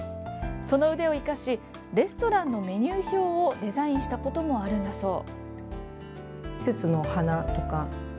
その腕を生かしレストランのメニュー表をデザインしたこともあるんだそう。